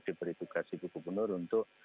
diberi tugas ibu gubernur untuk